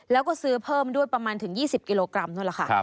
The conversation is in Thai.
แล้วก็ซื้อเพิ่มด้วยประมาณถึง๒๐กิโลกรัมนู้นแหละค่ะ